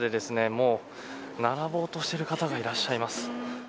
もう、並ぼうとしている方もいらっしゃいます。